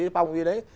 phòng gì đấy